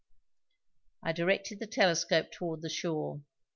I directed the telescope toward the shore.